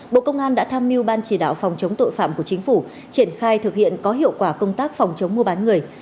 bộ công an đã tham mưu ban chỉ đạo phòng chống tội phạm của chính phủ triển khai thực hiện có hiệu quả công tác phòng chống mua bán người